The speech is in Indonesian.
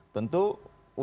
tentu ucapan dan ucapan itu